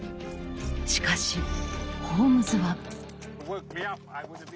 しかしホームズは。